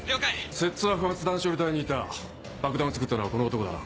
摂津は不発弾処理隊にいた爆弾を作ったのはこの男だな。